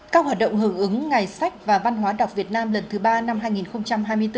các hoạt động hưởng ứng ngày sách và văn hóa đọc việt nam lần thứ ba năm hai nghìn hai mươi bốn